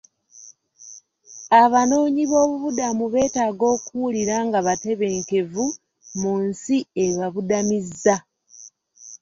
Abanoonyiboobubudamu beetaaga okuwulira nga batebenkevu mu nsi ebabudamizza.